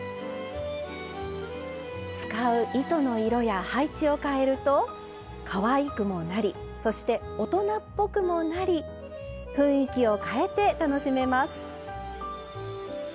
使う糸の色や配置をかえるとかわいくもなりそして大人っぽくもなり雰囲気をかえて楽しめます。